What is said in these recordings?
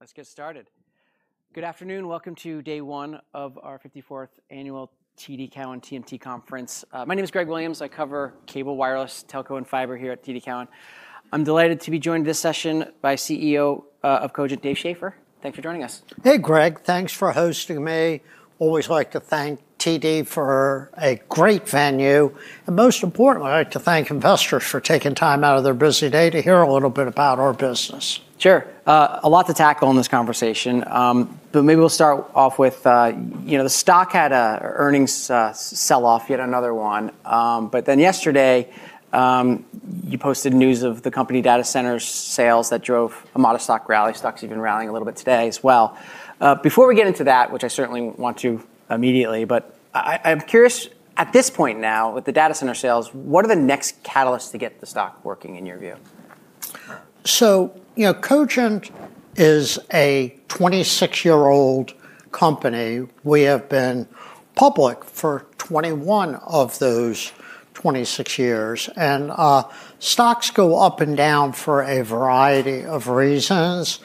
All right. Let's get started. Good afternoon. Welcome to day one of our 54th annual TD Cowen TMT Conference. My name is Greg Williams. I cover cable, wireless, telco, and fiber here at TD Cowen. I'm delighted to be joined this session by CEO of Cogent, Dave Schaeffer. Thanks for joining us. Hey, Greg. Thanks for hosting me. Always like to thank TD for a great venue, and most importantly, I'd like to thank investors for taking time out of their busy day to hear a little bit about our business. Sure. A lot to tackle in this conversation, but maybe we'll start off with the stock had an earnings sell-off, yet another one. Yesterday, you posted news of the company data center sales that drove a modest stock rally. Stock's even rallying a little bit today as well. Before we get into that, which I certainly want to immediately, but I'm curious at this point now with the data center sales, what are the next catalysts to get the stock working in your view? Cogent is a 26-year-old company. We have been public for 21 of those 26 years, and stocks go up and down for a variety of reasons.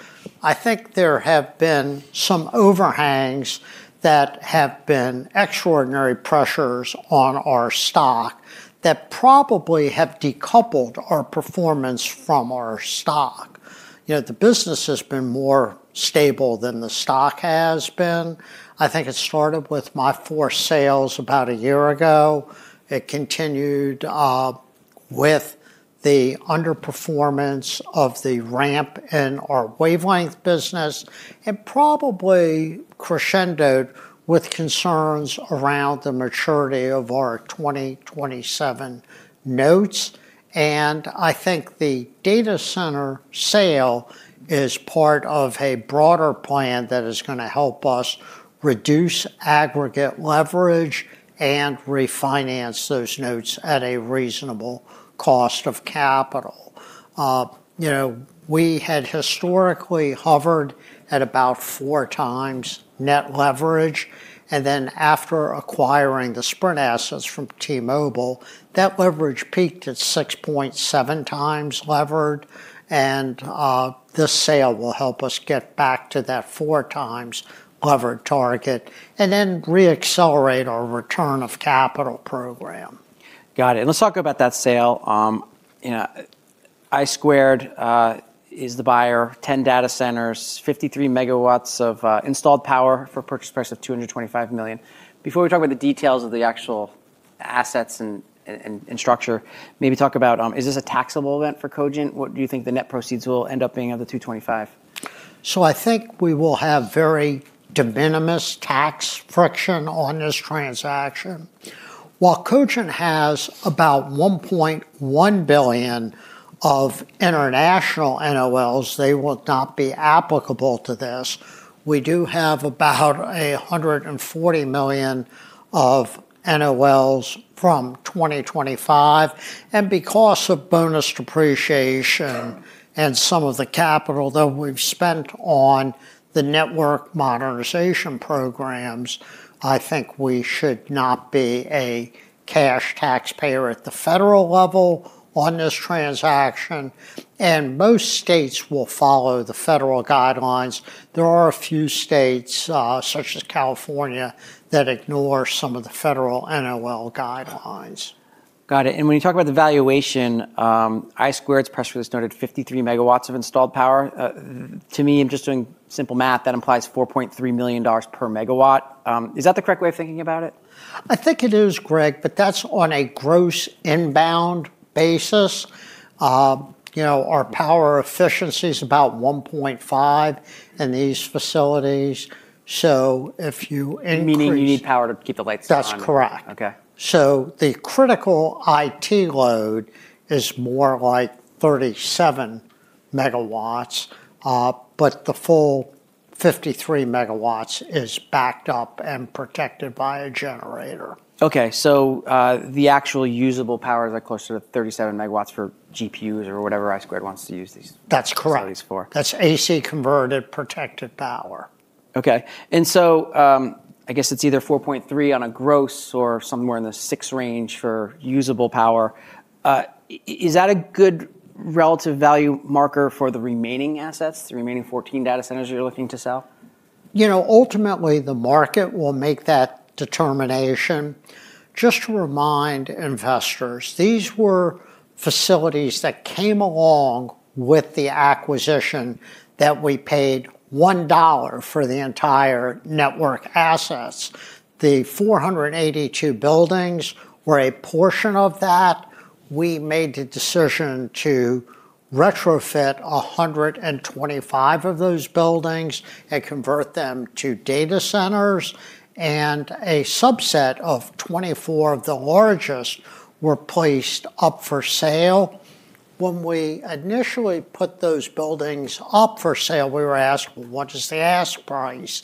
I think there have been some overhangs that have been extraordinary pressures on our stock that probably have decoupled our performance from our stock. The business has been more stable than the stock has been. I think it started with my four sales about a year ago. It continued with the underperformance of the ramp in our Wavelength business and probably crescendoed with concerns around the maturity of our 2027 notes. I think the data center sale is part of a broader plan that is going to help us reduce aggregate leverage and refinance those notes at a reasonable cost of capital. We had historically hovered at about 4x net leverage, and then after acquiring the Sprint assets from T-Mobile, that leverage peaked at 6.7x levered. This sale will help us get back to that 4x levered target and then re-accelerate our return of capital program. Got it. Let's talk about that sale. I Squared is the buyer, 10 data centers, 53 MW of installed power for a purchase price of $225 million. Before we talk about the details of the actual assets and structure, maybe talk about is this a taxable event for Cogent? What do you think the net proceeds will end up being of the $225? I think we will have very de minimis tax friction on this transaction. While Cogent has about $1.1 billion of international NOLs, they will not be applicable to this. We do have about $140 million of NOLs from 2025, and because of bonus depreciation and some of the capital that we've spent on the network modernization programs, I think we should not be a cash taxpayer at the federal level on this transaction. Most states will follow the federal guidelines. There are a few states, such as California, that ignore some of the federal NOL guidelines. Got it. When you talk about the valuation, I Squared's press release noted 53 MW of installed power. To me, I'm just doing simple math, that implies $4.3 million per megawatt. Is that the correct way of thinking about it? I think it is, Greg, but that's on a gross inbound basis. Our power efficiency is about 1.5 in these facilities. Meaning you need power to keep the lights on. That's correct. Okay. The critical IT load is more like 37 MW, but the full 53 MW is backed up and protected by a generator. Okay. The actual usable power is closer to 37 MW for GPUs or whatever I Squared wants to use. That's correct. That's AC converted protected power. Okay. I guess it's either 4.3 on a gross or somewhere in the six range for usable power. Is that a good relative value marker for the remaining assets, the remaining 14 data centers you're looking to sell? Ultimately, the market will make that determination. Just to remind investors, these were facilities that came along with the acquisition that we paid $1 for the entire network assets. The 482 buildings were a portion of that. We made the decision to retrofit 125 of those buildings and convert them to data centers, and a subset of 24 of the largest were placed up for sale. When we initially put those buildings up for sale, we were asked, well, what is the ask price?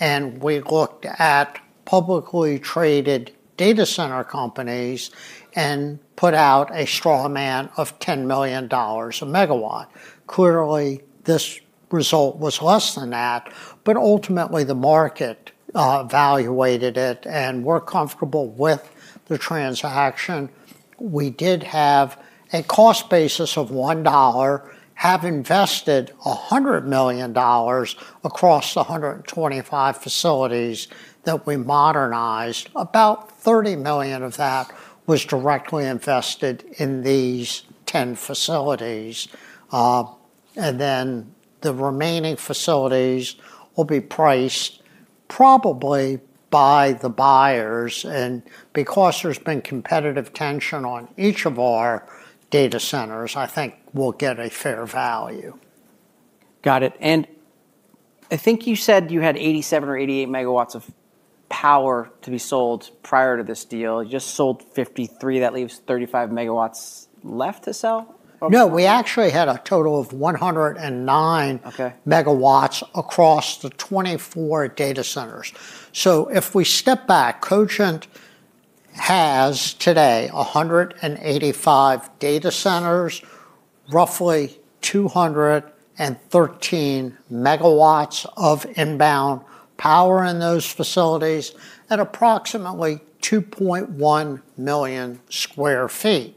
We looked at publicly traded data center companies and put out a straw man of $10 million a megawatt. Clearly, this result was less than that, but ultimately, the market valuated it, and we're comfortable with the transaction. We did have a cost basis of $1, have invested $100 million across the 125 facilities that we modernized. About $30 million of that was directly invested in these 10 facilities. The remaining facilities will be priced probably by the buyers. Because there's been competitive tension on each of our data centers, I think we'll get a fair value. Got it. I think you said you had 87 or 88 MW of power to be sold prior to this deal. You just sold 53. That leaves 35 MW left to sell. No, we actually had a total of 109 MW across the 24 data centers. If we step back, Cogent has today 185 data centers, roughly 213 MW of inbound power in those facilities, and approximately 2.1 million sq ft.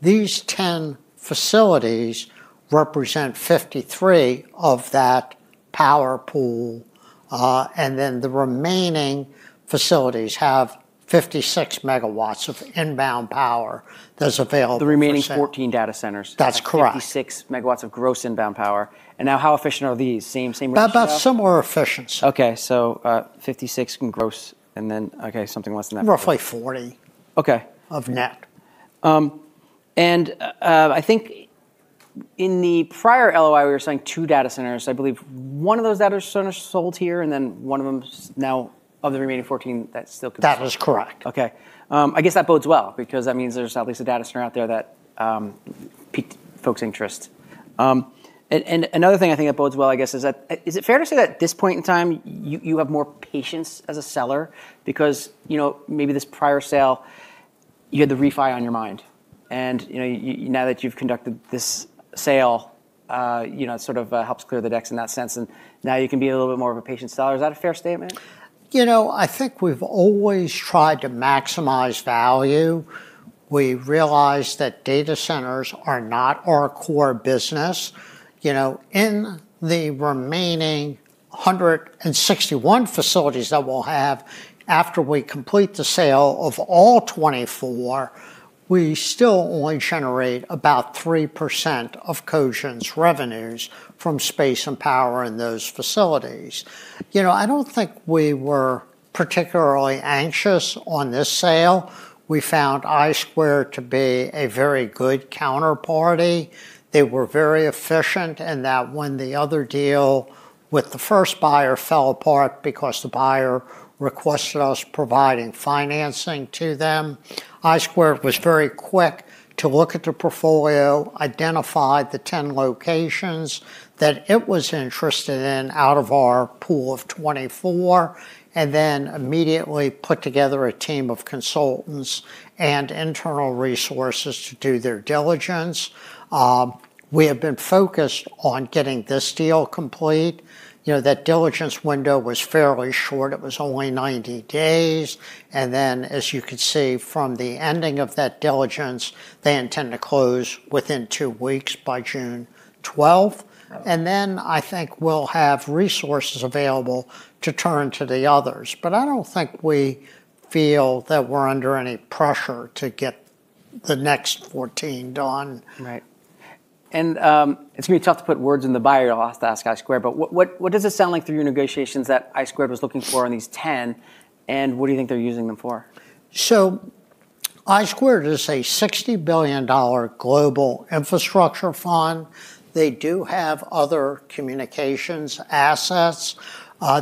These 10 facilities represent 53 of that power pool. The remaining facilities have 56 MW of inbound power that's available. The remaining 14 data centers. That's correct. Have 56 MW of gross inbound power. Now how efficient are these? Same as above? About similar efficiency. Okay, 56 MW in gross and then, okay, something less than that. Roughly 40 MW. Okay. Of net. I think in the prior LOI, we were saying two data centers. I believe one of those data centers sold here, and then one of them now of the remaining 14. That is correct. Okay. I guess that bodes well because that means there's at least a data center out there that piqued folks' interest. Another thing I think that bodes well, I guess, is that, is it fair to say that at this point in time, you have more patience as a seller because maybe this prior sale, you had the refi on your mind? Now that you've conducted this sale, it sort of helps clear the decks in that sense, and now you can be a little bit more of a patient seller. Is that a fair statement? I think we've always tried to maximize value. We've realized that data centers are not our core business. In the remaining 161 facilities that we'll have after we complete the sale of all 24, we still only generate about 3% of Cogent's revenues from space and power in those facilities. I don't think we were particularly anxious on this sale. We found I Squared Capital to be a very good counterparty. They were very efficient in that when the other deal with the first buyer fell apart because the buyer requested us providing financing to them. I Squared Capital was very quick to look at the portfolio, identify the 10 locations that it was interested in out of our pool of 24, and then immediately put together a team of consultants and internal resources to do their diligence. We have been focused on getting this deal complete. That diligence window was fairly short. It was only 90 days, and then as you could see from the ending of that diligence, they intend to close within two weeks by June 12th. I think we'll have resources available to turn to the others. I don't think we feel that we're under any pressure to get the next 14 done. Right. It's going to be tough to put words in the buyer's mouth to ask I Squared, but what does it sound like through your negotiations that I Squared was looking for on these 10, and what do you think they're using them for? I Squared Capital is a $60 billion global infrastructure fund. They do have other communications assets.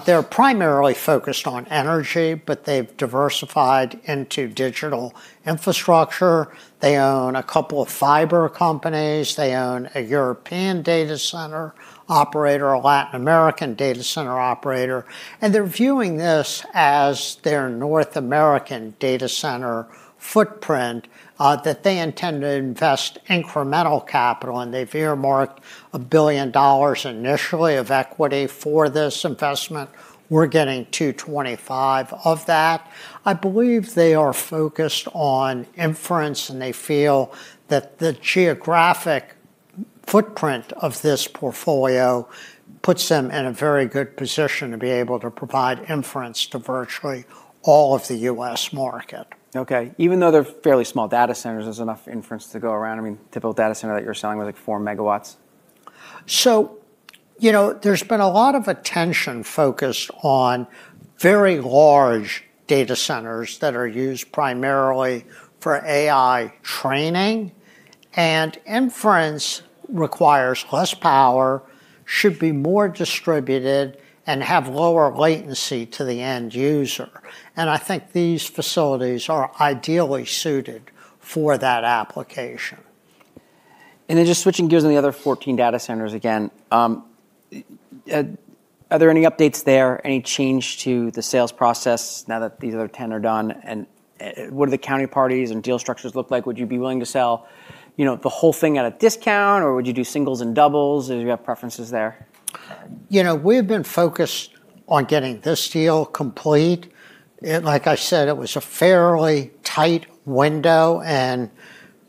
They're primarily focused on energy, but they've diversified into digital infrastructure. They own a couple of fiber companies. They own a European data center operator, a Latin American data center operator, and they're viewing this as their North American data center footprint, that they intend to invest incremental capital, and they've earmarked $1 billion initially of equity for this investment. We're getting $225 of that. I believe they are focused on inference, and they feel that the geographic footprint of this portfolio puts them in a very good position to be able to provide inference to virtually all of the U.S. market. Okay. Even though they're fairly small data centers, there's enough inference to go around? I mean, typical data center that you're selling with, like, four megawatts. There's been a lot of attention focused on very large data centers that are used primarily for AI training, and inference requires less power, should be more distributed, and have lower latency to the end user. I think these facilities are ideally suited for that application. Just switching gears on the other 14 data centers again, are there any updates there? Any change to the sales process now that the other 10 are done? What do the counter parties and deal structures look like? Would you be willing to sell the whole thing at a discount, or would you do singles and doubles? Do you have preferences there? We've been focused on getting this deal complete. Like I said, it was a fairly tight window, and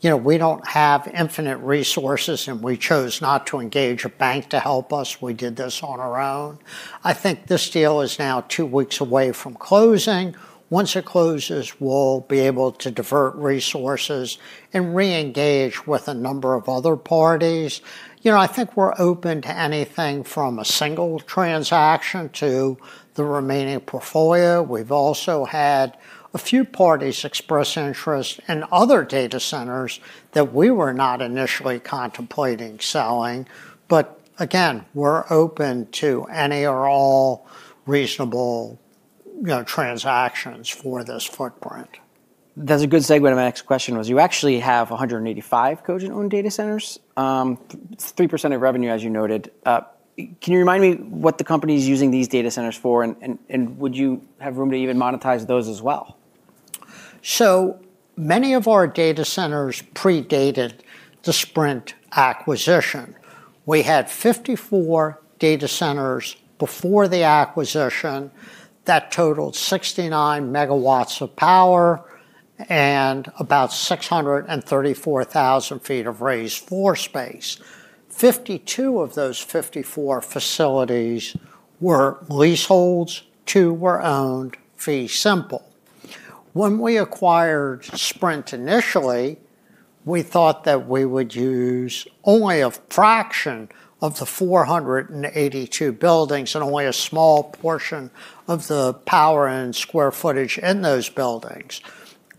we don't have infinite resources, and we chose not to engage a bank to help us. We did this on our own. I think this deal is now two weeks away from closing. Once it closes, we'll be able to divert resources and re-engage with a number of other parties. I think we're open to anything from a single transaction to the remaining portfolio. We've also had a few parties express interest in other data centers that we were not initially contemplating selling. Again, we're open to any or all reasonable transactions for this footprint. That's a good segue to my next question was, you actually have 185 Cogent-owned data centers, 3% of revenue, as you noted. Can you remind me what the company's using these data centers for, and would you have room to even monetize those as well? Many of our data centers predated the Sprint acquisition. We had 54 data centers before the acquisition that totaled 69 MW of power and about 634,000 ft of raised floor space. 52 of those 54 facilities were leaseholds, two were owned fee simple. When we acquired Sprint initially, we thought that we would use only a fraction of the 482 buildings and only a small portion of the power and square footage in those buildings.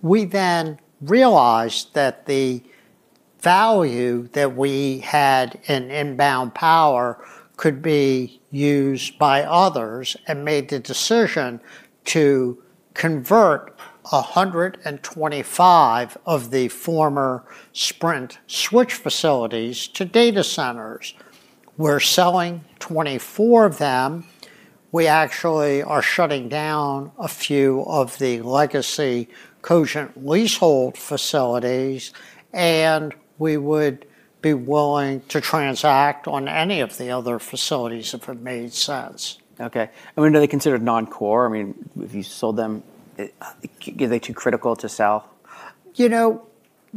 We realized that the value that we had in inbound power could be used by others and made the decision to convert 125 of the former Sprint switch facilities to data centers. We're selling 24 of them. We actually are shutting down a few of the legacy Cogent leasehold facilities, and we would be willing to transact on any of the other facilities if it made sense. Okay. Are they considered non-core? If you sold them, are they too critical to sell?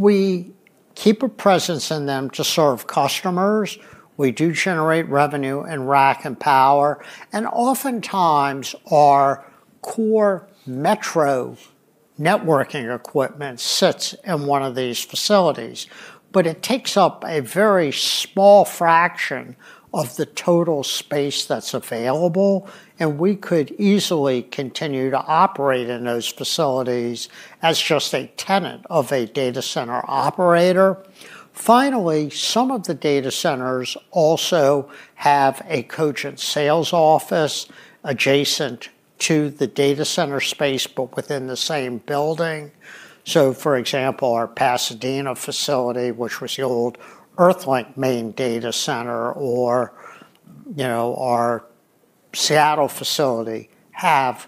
We keep a presence in them to serve customers. We do generate revenue in rack and power, and oftentimes, our core metro networking equipment sits in one of these facilities. It takes up a very small fraction of the total space that's available, and we could easily continue to operate in those facilities as just a tenant of a data center operator. Finally, some of the data centers also have a Cogent sales office adjacent to the data center space, but within the same building. For example, our Pasadena facility, which was the old EarthLink main data center, or our Seattle facility, have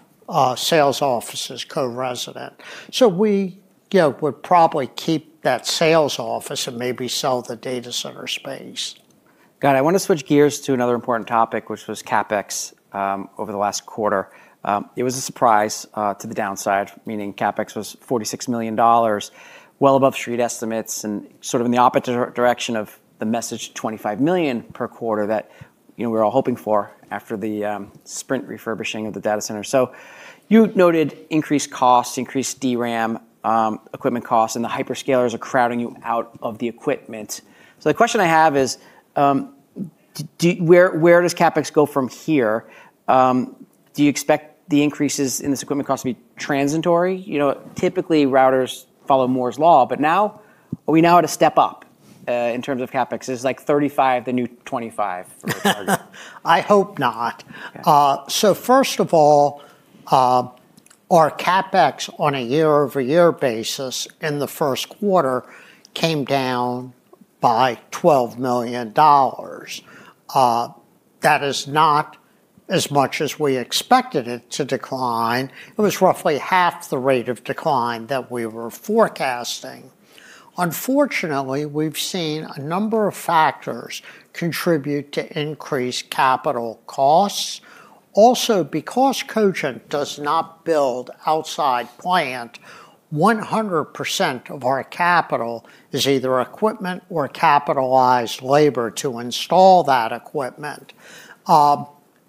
sales offices co-resident. We would probably keep that sales office and maybe sell the data center space. Got it. I want to switch gears to another important topic, which was CapEx over the last quarter. It was a surprise to the downside, meaning CapEx was $46 million, well above street estimates, and sort of in the opposite direction of the message $25 million per quarter that we were all hoping for after the Sprint refurbishing of the data center. You noted increased costs, increased DRAM equipment costs, and the hyperscalers are crowding you out of the equipment. The question I have is, where does CapEx go from here? Do you expect the increases in this equipment cost to be transitory? Typically, routers follow Moore's law, but now, are we now at a step up in terms of CapEx? Is like $35 the new $25 for your target? I hope not. First of all, our CapEx on a year-over-year basis in the first quarter came down by $12 million. That is not as much as we expected it to decline. It was roughly half the rate of decline that we were forecasting. Unfortunately, we've seen a number of factors contribute to increased capital costs. Also, because Cogent does not build outside plant, 100% of our capital is either equipment or capitalized labor to install that equipment.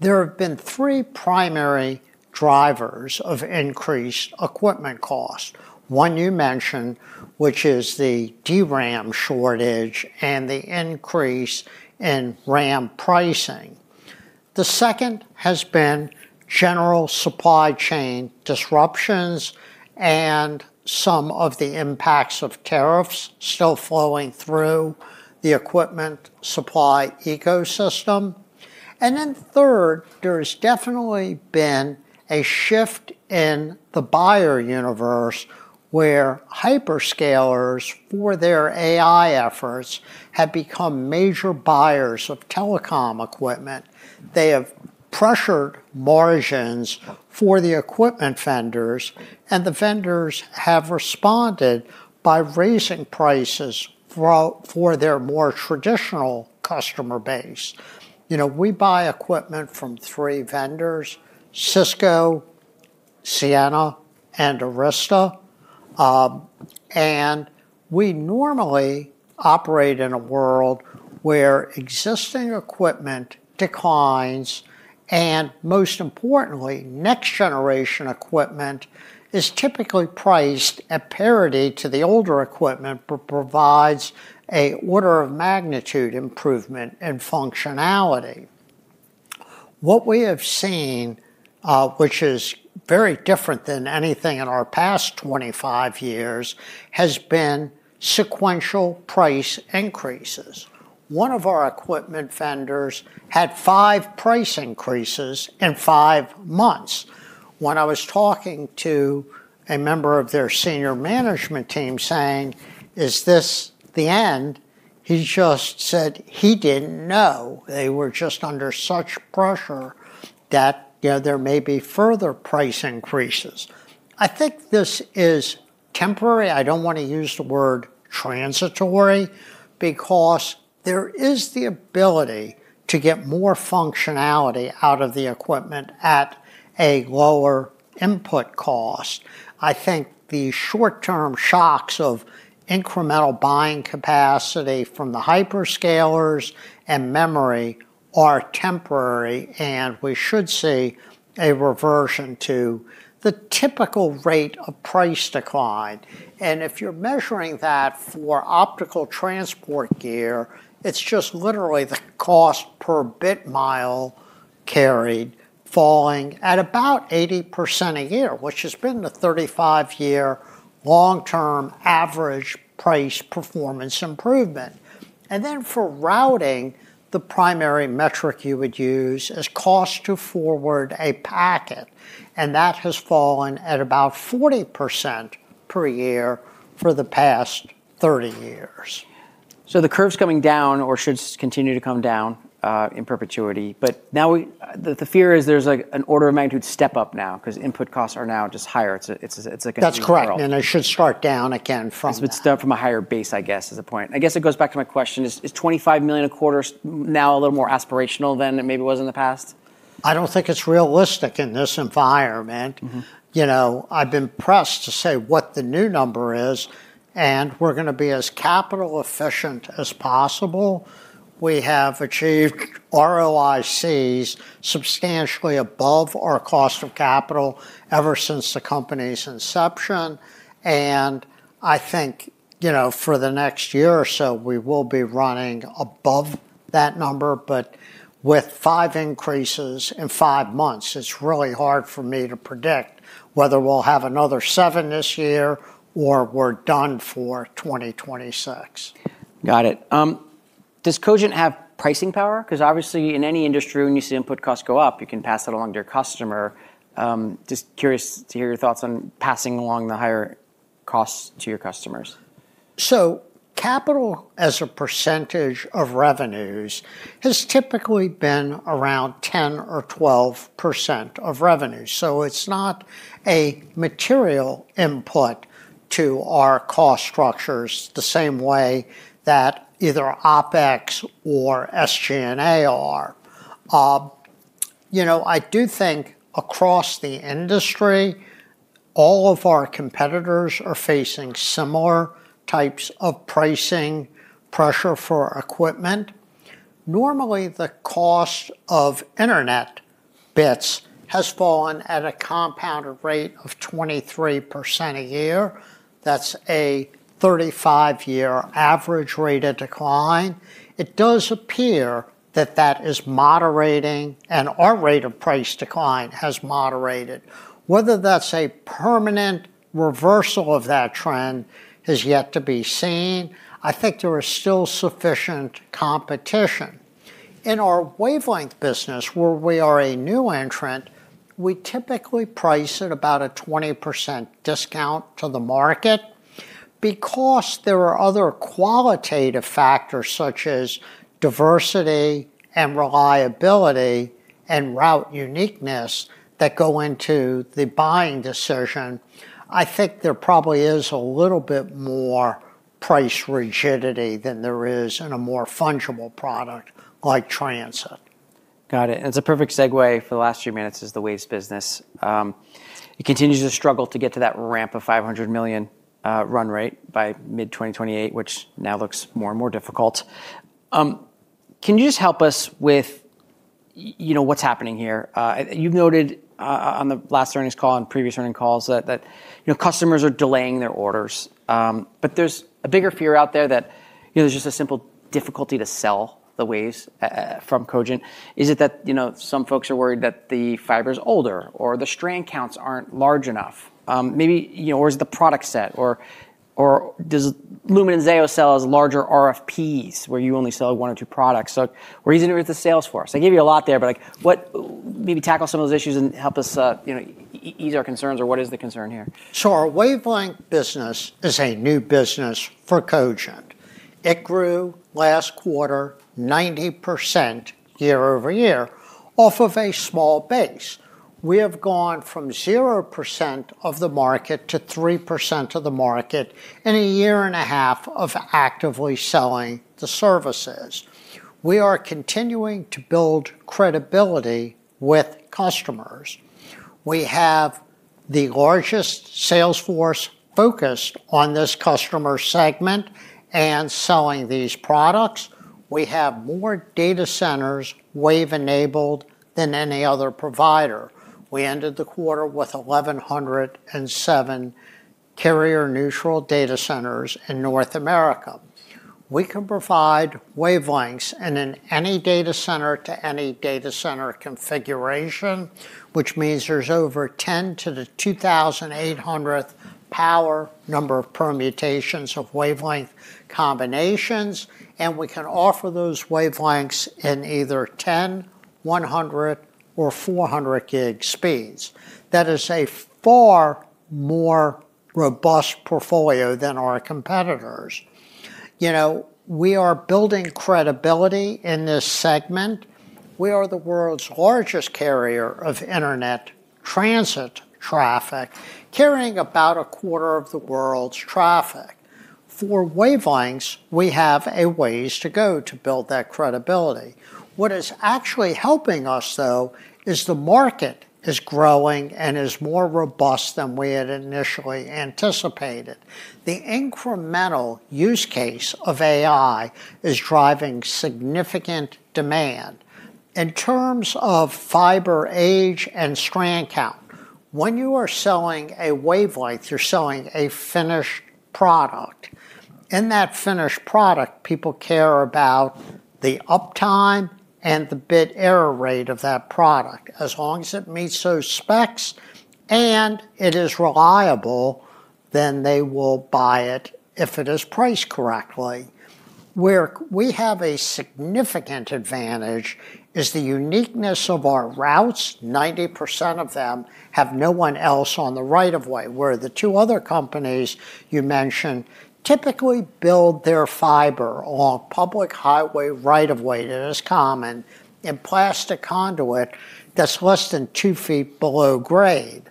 There have been three primary drivers of increased equipment cost. One you mentioned, which is the DRAM shortage and the increase in RAM pricing. The second has been general supply chain disruptions and some of the impacts of tariffs still flowing through the equipment supply ecosystem. Third, there's definitely been a shift in the buyer universe where hyperscalers, for their AI efforts, have become major buyers of telecom equipment. They have pressured margins for the equipment vendors, and the vendors have responded by raising prices for their more traditional customer base. We buy equipment from three vendors, Cisco, Ciena, and Arista. We normally operate in a world where existing equipment declines, and most importantly, next-generation equipment is typically priced at parity to the older equipment, but provides an order-of-magnitude improvement in functionality. What we have seen, which is very different than anything in our past 25 years, has been sequential price increases. One of our equipment vendors had five price increases in five months. When I was talking to a member of their senior management team saying, is this the end? He just said he didn't know. They were just under such pressure that there may be further price increases. I think this is temporary. I don't want to use the word transitory, because there is the ability to get more functionality out of the equipment at a lower input cost. I think the short-term shocks of incremental buying capacity from the hyperscalers and memory are temporary, we should see a reversion to the typical rate of price decline. If you're measuring that for optical transport gear, it's just literally the cost per bit mile carried falling at about 80% a year, which has been the 35-year long-term average price performance improvement. For routing, the primary metric you would use is cost to forward a packet, and that has fallen at about 40% per year for the past 30 years. The curve's coming down or should continue to come down in perpetuity. Now the fear is there's an order-of-magnitude step-up now because input costs are now just higher. It's like a new normal. That's correct, and it should start down again from that. It's been stemmed from a higher base, I guess, is the point. I guess it goes back to my question. Is $25 million a quarter now a little more aspirational than it maybe was in the past? I don't think it's realistic in this environment. I've been pressed to say what the new number is. We're going to be as capital efficient as possible. We have achieved ROICs substantially above our cost of capital ever since the company's inception. I think for the next year or so, we will be running above that number. With five increases in five months, it's really hard for me to predict whether we'll have another seven this year or we're done for 2026. Got it. Does Cogent have pricing power? Obviously, in any industry, when you see input costs go up, you can pass that along to your customer. Just curious to hear your thoughts on passing along the higher costs to your customers. Capital as a percentage of revenues has typically been around 10% or 12% of revenues, so it's not a material input to our cost structures the same way that either OpEx or SG&A are. I do think across the industry, all of our competitors are facing similar types of pricing pressure for equipment. Normally, the cost of internet bits has fallen at a compounded rate of 23% a year. That's a 35-year average rate of decline. It does appear that that is moderating, and our rate of price decline has moderated. Whether that's a permanent reversal of that trend is yet to be seen. I think there is still sufficient competition. In our wavelength business, where we are a new entrant, we typically price at about a 20% discount to the market. Because there are other qualitative factors such as diversity and reliability and route uniqueness that go into the buying decision, I think there probably is a little bit more price rigidity than there is in a more fungible product like transit. Got it. It's a perfect segue for the last few minutes is the Waves business. It continues to struggle to get to that ramp of $500 million run rate by mid-2028, which now looks more and more difficult. Can you just help us with what's happening here? You've noted on the last earnings call and previous earnings calls that customers are delaying their orders. There's a bigger fear out there that there's just a simple difficulty to sell the Waves from Cogent. Is it that some folks are worried that the fiber's older or the strand counts aren't large enough? Or is it the product set? Or does Lumen and Zayo sell as larger RFPs, where you only sell one or two products? Where are you going to move the sales force? I gave you a lot there, but maybe tackle some of those issues and help us ease our concerns, or what is the concern here? Our wavelength business is a new business for Cogent. It grew last quarter 90% year-over-year off of a small base. We have gone from 0% of the market to 3% of the market in a year and a half of actively selling the services. We are continuing to build credibility with customers. We have the largest sales force focused on this customer segment and selling these products. We have more data centers Wave enabled than any other provider. We ended the quarter with 1,107 carrier-neutral data centers in North America. We can provide wavelengths in an any data center to any data center configuration, which means there's over 10 to the 2,800th power number of permutations of wavelength combinations, and we can offer those wavelengths in either 10, 100, or 400 gig speeds. That is a far more robust portfolio than our competitors. We are building credibility in this segment. We are the world's largest carrier of internet transit traffic, carrying about a quarter of the world's traffic. For Wavelengths, we have a ways to go to build that credibility. What is actually helping us, though, is the market is growing and is more robust than we had initially anticipated. The incremental use case of AI is driving significant demand. In terms of fiber age and strand count, when you are selling a Wavelength, you're selling a finished product. In that finished product, people care about the uptime and the bit error rate of that product. As long as it meets those specs and it is reliable, then they will buy it if it is priced correctly. Where we have a significant advantage is the uniqueness of our routes. 90% of them have no one else on the right of way, where the two other companies you mentioned typically build their fiber along public highway right of way, that is common, in plastic conduit that's less than 2 ft below grade.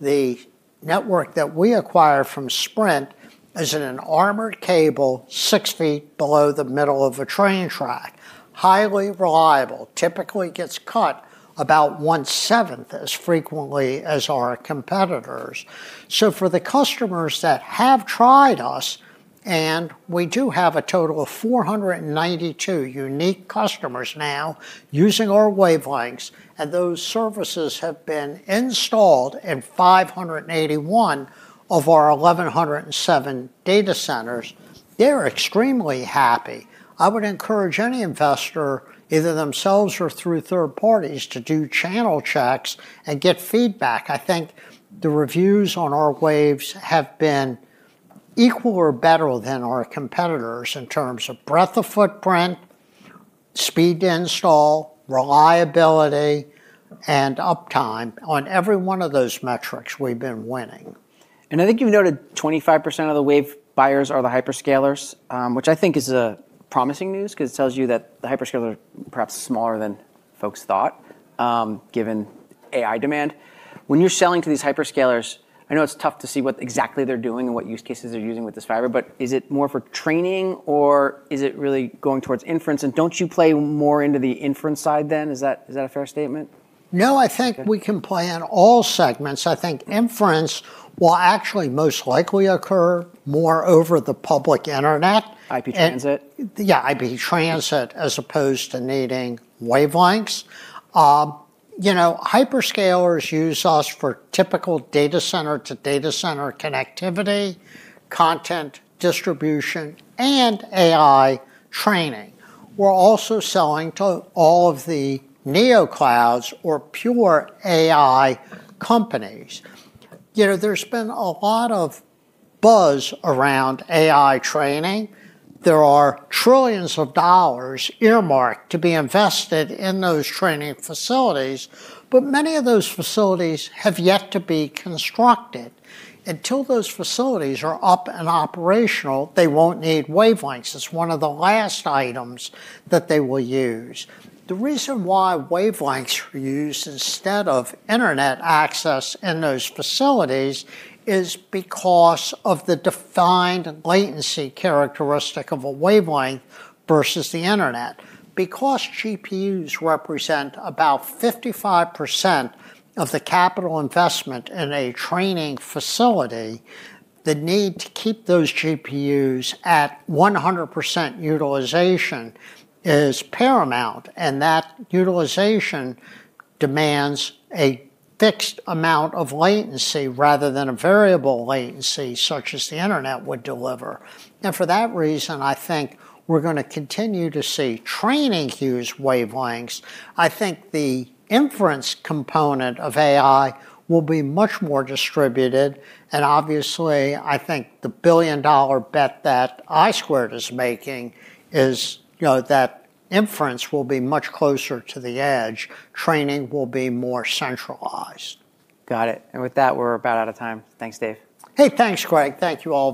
The network that we acquire from Sprint is in an armored cable 6 ft below the middle of a train track. Highly reliable. Typically gets cut about 1/7 as frequently as our competitors. For the customers that have tried us, and we do have a total of 492 unique customers now using our wavelengths, and those services have been installed in 581 of our 1,107 data centers, they're extremely happy. I would encourage any investor, either themselves or through third parties, to do channel checks and get feedback. I think the reviews on our Waves have been equal to or better than our competitors in terms of breadth of footprint, speed to install, reliability, and uptime. On every one of those metrics, we've been winning. I think you've noted 25% of the Wave buyers are the hyperscalers, which I think is promising news because it tells you that the hyperscalers are perhaps smaller than folks thought, given AI demand. When you're selling to these hyperscalers, I know it's tough to see what exactly they're doing and what use cases they're using with this fiber, but is it more for training or is it really going towards inference? Don't you play more into the inference side then? Is that a fair statement? No, I think we can play in all segments. I think inference will actually most likely occur more over the public internet. IP transit? Yeah, IP transit as opposed to needing wavelengths. Hyperscalers use us for typical data center to data center connectivity, content distribution, and AI training. We're also selling to all of the neoclouds or pure AI companies. There's been a lot of buzz around AI training. There are trillions of dollars earmarked to be invested in those training facilities, but many of those facilities have yet to be constructed. Until those facilities are up and operational, they won't need wavelengths. It's one of the last items that they will use. The reason why wavelengths were used instead of internet access in those facilities is because of the defined latency characteristic of a wavelength versus the internet. Because GPUs represent about 55% of the capital investment in a training facility, the need to keep those GPUs at 100% utilization is paramount, and that utilization demands a fixed amount of latency rather than a variable latency such as the internet would deliver. For that reason, I think we're going to continue to see training use wavelengths. I think the inference component of AI will be much more distributed. Obviously, I think the billion-dollar bet that I Squared is making is that inference will be much closer to the edge. Training will be more centralized. Got it. With that, we're about out of time. Thanks, Dave. Hey, thanks, Greg. Thank you all.